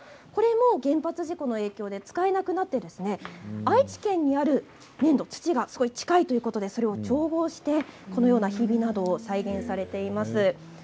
こちら原発事故の影響で使えなくなって愛知県にある粘土、土が近いということでそれを調合してこのようなひびなどを再現しています。